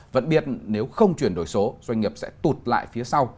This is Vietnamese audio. vẫn biết nếu không chuyển đổi số doanh nghiệp sẽ tụt lại phía sau